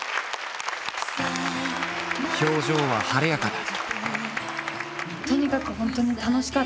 表情は晴れやかだ。